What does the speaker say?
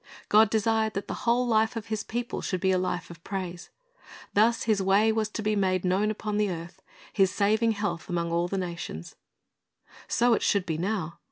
God desired that the whole life of His people should be a life of praise. Thus His way was to be made "known upon earth," His "saving health among all nations."' So it should be now.